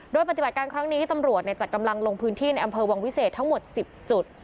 โดยปฏิบัติการครั้งนี้ตำรวจจัดกำลังลงพื้นที่ในอำเภอวังวิเศษทั้งหมด๑๐จุด